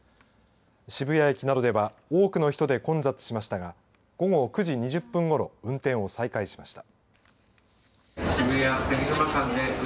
渋谷駅などでは多くの人で混雑しましたが午後９時２０分ごろ運転を再開しました。